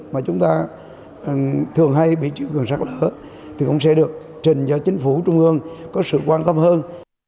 mà chúng ta thường hay bị triều cường sát lỡ thì cũng sẽ được trình cho chính phủ trung ương có sự quan tâm hơn